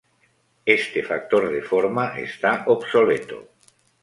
Este factor de forma está obsoleto.